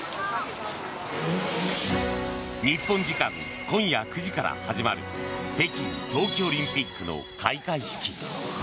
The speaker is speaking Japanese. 日本時間今夜９時から始まる北京冬季オリンピックの開会式。